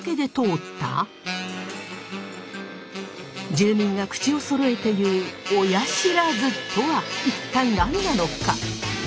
住民が口をそろえて言う「オヤシラズ」とは一体何なのか？